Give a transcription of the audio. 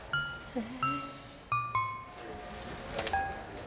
ええ。